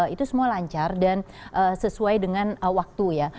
itu semua lancar dan sesuai dengan waktu ya